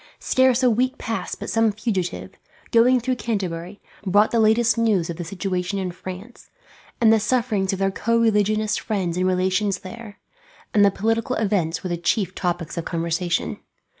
Scarce a week passed but some fugitive, going through Canterbury, brought the latest news of the situation in France, and the sufferings of their co religionist friends and relations there; and the political events were the chief topics of conversation.